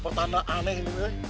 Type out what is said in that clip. pertanda aneh ini eh